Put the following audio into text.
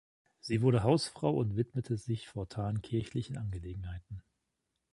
Sie wurde Hausfrau und widmete sich fortan kirchlichen Angelegenheiten.